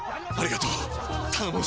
ありがとう！